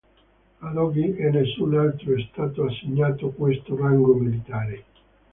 Ad oggi a nessun altro è stato assegnato questo rango militare.